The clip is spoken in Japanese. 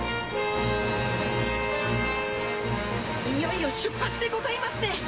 いよいよ出発でございますね。